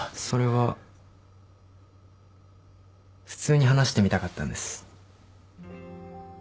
それは普通に話してみたかったんです。